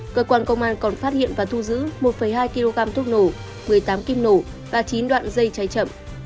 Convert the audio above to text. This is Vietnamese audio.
cơ quan công an còn phát hiện và thu giữ một hai kg thuốc nổ một mươi tám kim nổ và chín đoạn dây cháy chậm